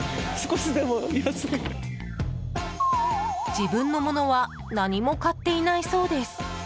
自分のものは何も買っていないそうです。